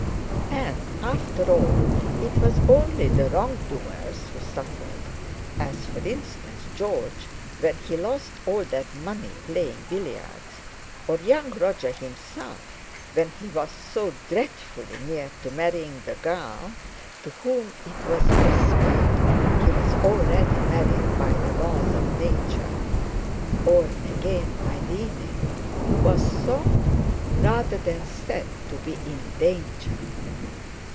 And, after all, it was only the wrong doers who suffered; as, for instance, George, when he lost all that money playing billiards; or young Roger himself, when he was so dreadfully near to marrying the girl to whom, it was whispered, he was already married by the laws of Nature; or again Irene, who was thought, rather than said, to be in danger.